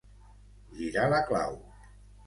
Girar la clau.